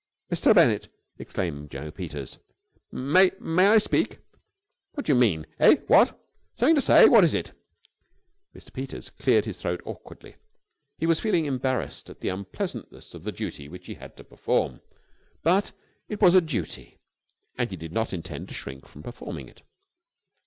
"Mr. Bennett," exclaimed Jno. Peters. "May may I speak?" "What do you mean? Eh? What? Something to say? What is it?" Mr. Peters cleared his throat awkwardly. He was feeling embarrassed at the unpleasantness of the duty which he had to perform, but it was a duty, and he did not intend to shrink from performing it.